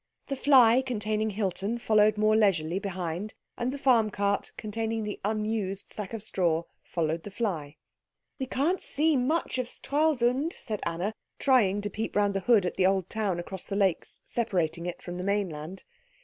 The fly containing Hilton followed more leisurely behind, and the farm cart containing the unused sack of straw followed the fly. "We can't see much of Stralsund," said Anna, trying to peep round the hood at the old town across the lakes separating it from the mainland.